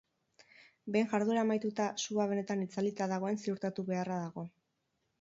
Behin jarduera amaituta, sua benetan itzalita dagoen ziurtatu beharra dago.